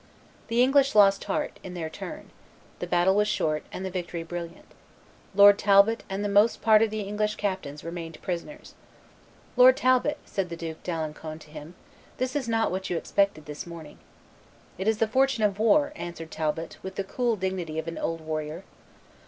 The English lost heart, in their turn; the battle was short, and the victory brilliant; Lord Talbot and the most part of the English captains remained prisoners. "Lord Talbot," said the Duke d'Alencon to him, "this is not what you expected this morning." "It is the fortune of war," answered Talbot, with the cool dignity of an old warrior.